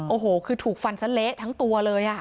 โอ้โหคือถูกฟันซะเละทั้งตัวเลย